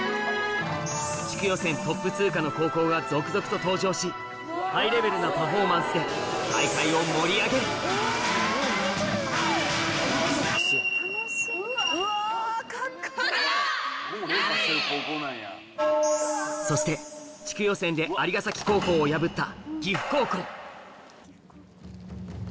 地区予選トップ通過の高校が続々と登場しハイレベルなパフォーマンスで大会を盛り上げるそして地区予選で蟻ヶ崎高校を破った